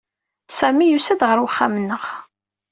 Sami yusa-d ɣer uxxam-nneɣ.